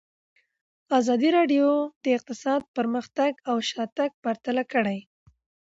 ازادي راډیو د اقتصاد پرمختګ او شاتګ پرتله کړی.